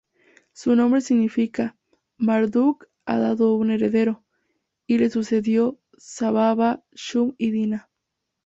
Su nombre significa: "Marduk ha dado un heredero", y le sucedió Zababa-shum-iddina.